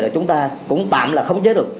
là chúng ta cũng tạm là không chế được